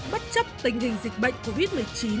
bất chấp tình hình dịch bệnh covid một mươi chín